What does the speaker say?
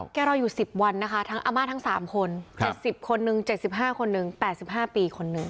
รออยู่๑๐วันนะคะทั้งอาม่าทั้ง๓คน๗๐คนนึง๗๕คนหนึ่ง๘๕ปีคนนึง